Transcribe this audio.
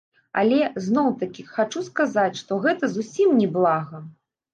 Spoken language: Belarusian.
Але, зноў-такі, хачу сказаць, што гэта зусім не блага!